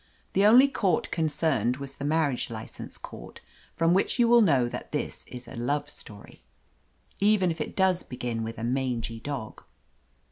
The only court concerned was the marriage license court, from which you will know that this is a love story. Even if it does begin with a mangy dog.